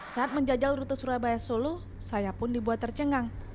saat menjajal rute surabaya solo saya pun dibuat tercengang